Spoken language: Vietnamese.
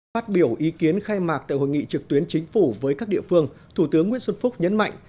phát biểu ý kiến khai mạc tại hội nghị trực tuyến chính phủ với các địa phương thủ tướng nguyễn xuân phúc nhấn mạnh